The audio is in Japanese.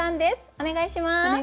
お願いします。